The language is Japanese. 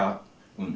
うん。